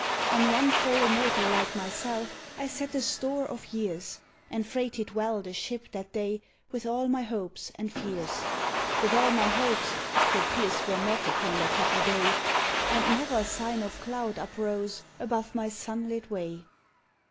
On one frail mortal like myself I set the store of years, And freighted well the ship that day with all my hopes and fears. With all my hopes (for fears were not, upon that happy day), And never sign of cloud uprose above my sunlit way!